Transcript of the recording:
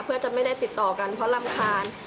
เพื่อจะไม่ได้ติดต่อกันเพราะรำคาญ